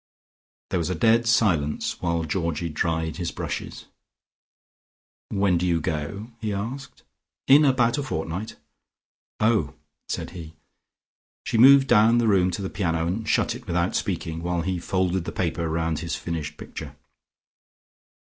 There was dead silence, while Georgie dried his brushes. "When do you go?" he asked. "In about a fortnight." "Oh," said he. She moved down the room to the piano and shut it without speaking, while he folded the paper round his finished picture.